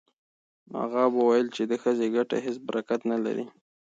اغا به ویل چې د ښځې ګټه هیڅ برکت نه لري.